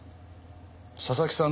佐々木さん